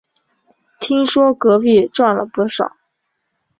听说隔壁赚了不少